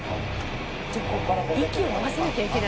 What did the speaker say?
じゃあ息を合わせなきゃいけないんだ。